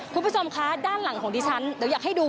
คุณผู้ชมคะด้านหลังของดิฉันเดี๋ยวอยากให้ดู